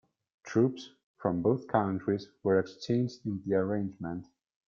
Troops from both countries were exchanged in the arrangement.